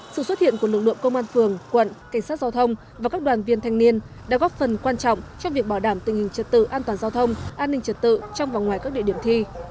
sự xuất hiện của lực lượng công an phường quận cảnh sát giao thông và các đoàn viên thanh niên đã góp phần quan trọng trong việc bảo đảm tình hình trật tự an toàn giao thông an ninh trật tự trong và ngoài các địa điểm thi